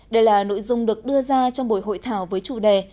đây là nội dung được đưa ra trong buổi hội thảo với chủ đề